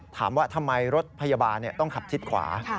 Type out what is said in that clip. ถามว่าทำไมรถพยาบาลต้องขับชิดขวา